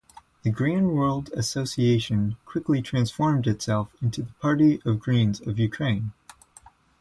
The Green World Association quickly transformed itself into the Party of Greens of Ukraine.